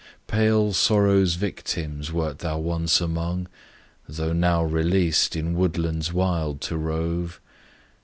Pale Sorrow's victims wert thou once among, Though now released in woodlands wild to rove?